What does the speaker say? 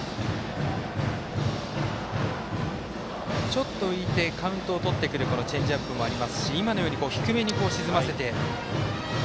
ちょっと浮いてカウントをとってくるチェンジアップもありますし低めに沈ませる。